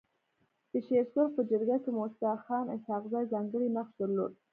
د شيرسرخ په جرګه کي موسي خان اسحق زي ځانګړی نقش درلود.